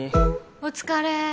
お疲れ。